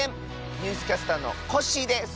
ニュースキャスターのコッシーです。